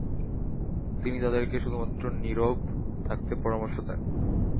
তিনি তাদেরকে শুধুমাত্র নীরব থাকতে পরামর্শ দেন।